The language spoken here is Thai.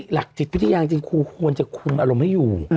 หลักจิตพิธียาคุณควรจะคุ้นอารมณ์ให้อยู่